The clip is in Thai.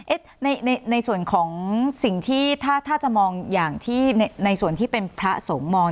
ในส่วนของสิ่งที่ถ้าจะมองอย่างที่ในส่วนที่เป็นพระสงฆ์มอง